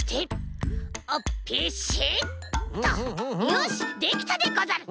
よしできたでござる！